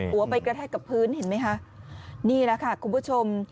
หัวไปกระแทกกับพื้นเห็นไหมคะนี่แหละค่ะคุณผู้ชม